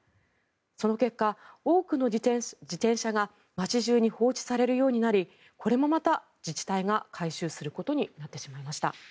その結果、多くの自転車が街中に放置されるようになりこれもまた自治体が回収することになってしまいました。